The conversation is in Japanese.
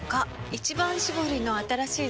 「一番搾り」の新しいの？